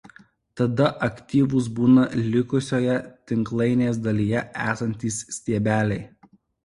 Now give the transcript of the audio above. Tada aktyvūs būna likusioje tinklainės dalyje esantys stiebeliai.